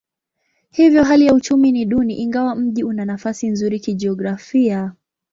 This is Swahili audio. Hivyo hali ya uchumi ni duni ingawa mji una nafasi nzuri kijiografia.